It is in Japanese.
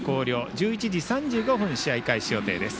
１１時３５分試合開始予定です。